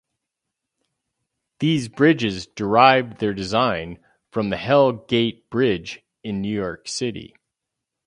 These bridges derived their design from the Hell Gate Bridge in New York City.